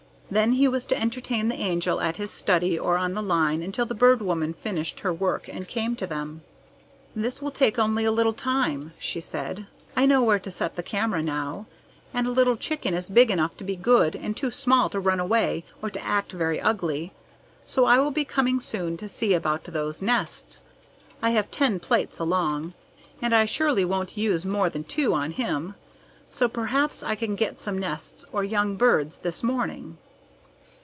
Then he was to entertain the Angel at his study or on the line until the Bird Woman finished her work and came to them. "This will take only a little time," she said. "I know where to set the camera now, and Little Chicken is big enough to be good and too small to run away or to act very ugly, so I will be coming soon to see about those nests. I have ten plates along, and I surely won't use more than two on him; so perhaps I can get some nests or young birds this morning."